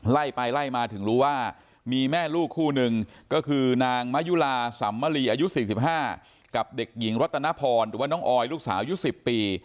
ไล่ไปไล่มาถึงรู้ว่ามีแม่ลูกคู่หนึ่งก็คือนางมะยุลาสัมมลีอายุ๔๕กับเด็กหญิงรัตนพรหรือว่าน้องออยลูกสาวยุค๑๐ปี